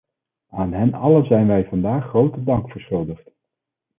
Aan hen allen zijn wij vandaag grote dank verschuldigd.